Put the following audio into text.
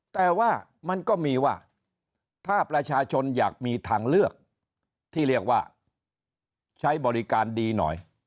แต่ว่ามันก็มีว่าถ้าประชาชนอยากมีทางเลือกที่เรียกว่าใช้บริการดีหน่อย